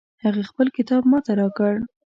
هغې خپل کتاب ما ته راکړ